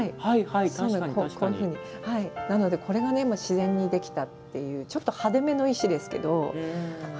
なので、これが自然にできたっていう少し派手目の石ですけど。